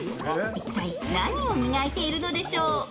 一体何を磨いているのでしょう？